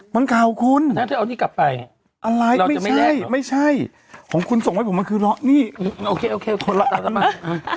มันข่าวขุนแทบเธอเอานี้กลับไปอะไรไม่ใช่โอเคคนละมา